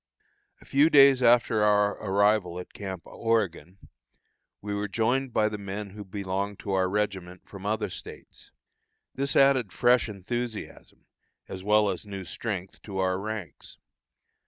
A few days after our arrival at Camp Oregon, we were joined by the men who belonged to our regiment from other States. This added fresh enthusiasm, as well as new strength, to our ranks.